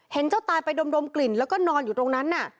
เจ้าตายไปดมกลิ่นแล้วก็นอนอยู่ตรงนั้น